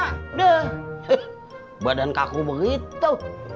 heeh badan kaku begitu